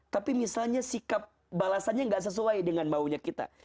tapi misalnya sikap balasannya nggak sesuai dengan maunya kita